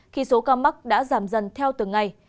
khi số ca mắc đã giảm dần theo từng ngày